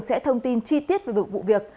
sẽ thông tin chi tiết về vụ việc